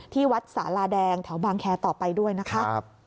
ที่วัดสาลาแดงแถวบางแคร์ต่อไปด้วยนะคะ